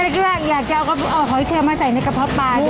ก็แปลกอยากจะเอาขอยเชื้อมาใส่ในกะพะปลาดู